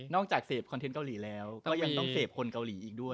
จากเสพคอนเทนต์เกาหลีแล้วก็ยังต้องเสพคนเกาหลีอีกด้วย